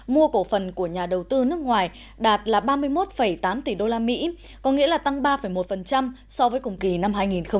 mua cổ phần của nhà đầu tư nước ngoài đạt là ba mươi một tám tỷ usd có nghĩa là tăng ba một so với cùng kỳ năm hai nghìn một mươi chín